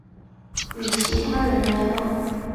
与其他人来往